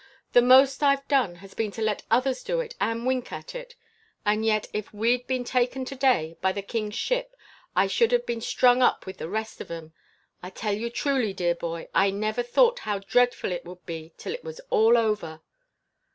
The most I've done has been to let others do it, and wink at it. And yet, if we'd been taken to day by the king's ship I should have been strung up with the rest of 'em! I tell you truly, dear boy, I never thought how dreadful it would be till it was all over.